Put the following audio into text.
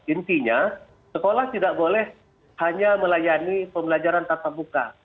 intinya sekolah tidak boleh hanya melayani pembelajaran tatap muka